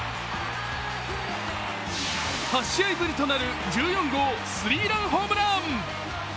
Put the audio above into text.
８試合ぶりとなる１４号スリーランホームラン。